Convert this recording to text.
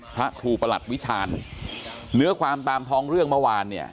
พระครูประหลัดวิชาญเนื้อความตามท้องเรื่องเมื่อวานเนี่ย